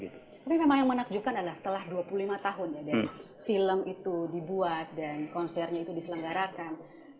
tapi memang yang menakjubkan adalah setelah dua puluh lima tahun ya dari film itu dibuat dan konsernya itu diselenggarakan